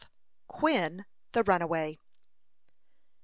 QUIN, THE RUNAWAY.